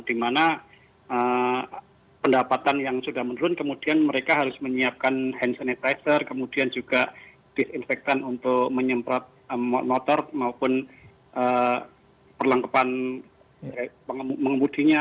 di mana pendapatan yang sudah menurun kemudian mereka harus menyiapkan hand sanitizer kemudian juga disinfektan untuk menyemprot motor maupun perlengkapan pengemudinya